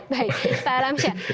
baik salam syah